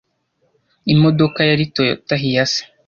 Imodoka yari Toyota Hiace